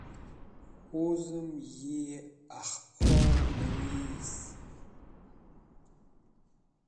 Wuzem yi Akhbor Nawees